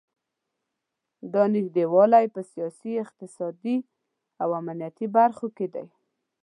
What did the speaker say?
دا نږدې والی په سیاسي، اقتصادي او امنیتي برخو کې دی.